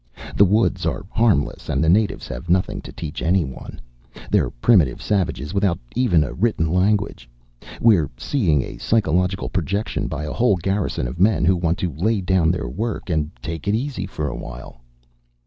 The woods are harmless and the natives have nothing to teach anyone. They're primitive savages, without even a written language. We're seeing a psychological projection by a whole Garrison of men who want to lay down their work and take it easy for a while."